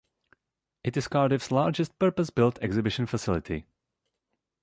It is Cardiff's largest purpose-built exhibition facility.